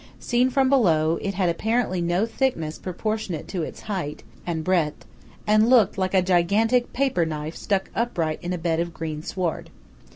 Seen from below, it had apparently no thickness proportionate to its height and breadth, and looked like a gigantic paper knife stuck upright in a bed of green sward.